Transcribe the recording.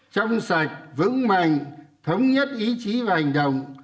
trong sạch vững mạnh thống nhất ý chí và hành động